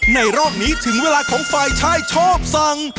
รอบนี้ถึงเวลาของฝ่ายชายชอบสั่ง